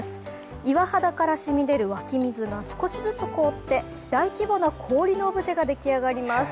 岩肌からしみ出る湧き水が少しずつ凍って大規模な氷のオブジェが出来上がります。